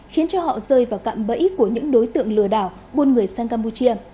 khiến cho họ rơi vào cạm bẫy của những đối tượng lừa đảo buôn người sang campuchia